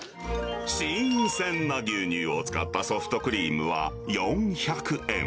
新鮮な牛乳を使ったソフトクリームは４００円。